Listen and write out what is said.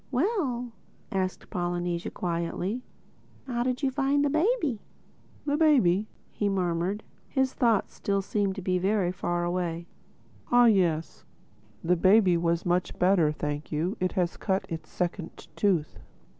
"Well," asked Polynesia quietly, "how did you find the baby?" "The baby?" he murmured—his thoughts still seemed to be very far away—"Ah yes. The baby was much better, thank you—It has cut its second tooth."